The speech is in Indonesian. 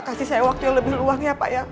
kasih saya waktu yang lebih luang ya pak ya